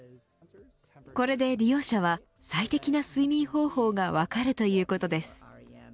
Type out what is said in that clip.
これで利用者は最適な睡眠方法が分かるということです。